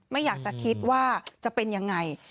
ไม่อยากจะคิดว่าจะเป็นยังไง